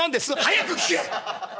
「早く聞け！